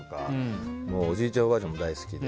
おじいちゃん、おばあちゃんも大好きで。